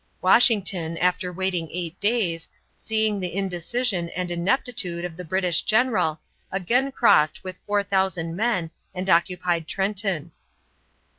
Washington, after waiting eight days, seeing the indecision and ineptitude of the British general, again crossed with 4000 men and occupied Trenton.